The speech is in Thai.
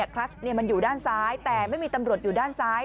คลัสมันอยู่ด้านซ้ายแต่ไม่มีตำรวจอยู่ด้านซ้าย